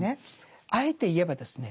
あえて言えばですね